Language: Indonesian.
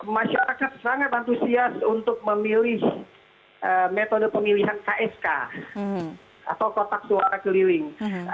masyarakat sangat antusias untuk memilih metode pemilihan ksk atau kotak suara keliling